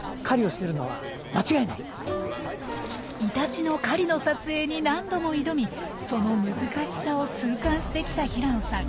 イタチの狩りの撮影に何度も挑みその難しさを痛感してきた平野さん。